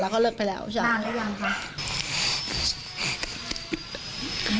แล้วก็เลิกไปแล้วนะครับนานแล้วยังคะใช่ค่ะแล้วก็เลิกไปแล้ว